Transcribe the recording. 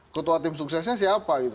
ketua tim suksesnya siapa gitu